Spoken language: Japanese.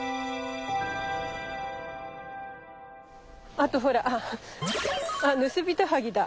あとほらああっヌスビトハギだ。